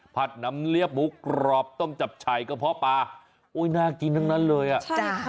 น้ำเลียบหมูกรอบต้มจับฉ่ายกระเพาะปลาโอ้ยน่ากินทั้งนั้นเลยอ่ะจ้ะ